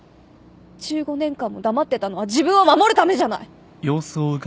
１５年間も黙ってたのは自分を守るためじゃない！